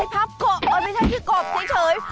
พับกบไม่ใช่พี่กบเฉย